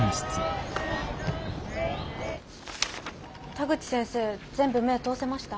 田口先生全部目を通せました？